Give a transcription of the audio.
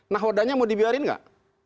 nahodanya mau dibiarkan nggak